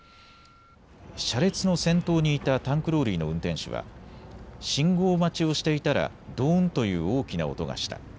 車列の先頭にいたタンクローリーの運転手は信号待ちをしていたらドーンという大きな音がした。